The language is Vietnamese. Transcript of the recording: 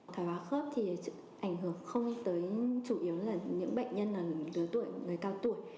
thói hóa khớp thì ảnh hưởng không tới chủ yếu là những bệnh nhân là đứa tuổi người cao tuổi